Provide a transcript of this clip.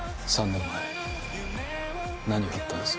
３年前何があったんです？